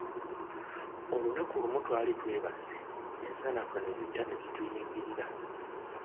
Olunaku lumu twali twebase ensanafu ne zijja ne zituyingirira.